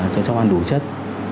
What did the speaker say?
cho cháu ăn đủ chất